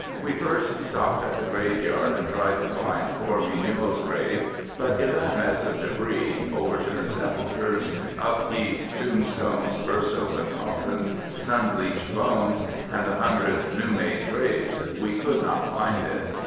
We first stopped at the graveyard and tried to find 104 AMERICAN AMBULANCE poor Mignot's grave, but in that mess of debris, — overturned sepulchres — up heaved tombstones — burst open coffins — sun bleached bones — and the hun dred new made graves, — we could not find it.